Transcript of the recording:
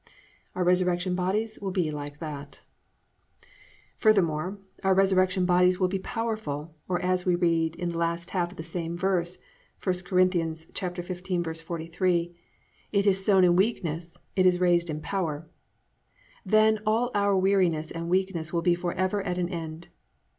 "+ Our resurrection bodies will be like that. 7. Furthermore, our resurrection bodies will be powerful, or as we read in the last half of this same verse (1 Cor. 15:43), +"It is sown in weakness, it is raised in power."+ Then all our weariness and weakness will be forever at an end.